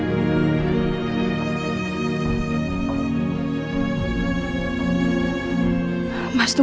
employer tahu rasanya banget rules